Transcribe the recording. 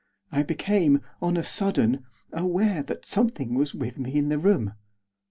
I became, on a sudden, aware, that something was with me in the room.